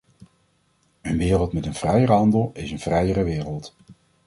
Een wereld met een vrijere handel is een vrijere wereld.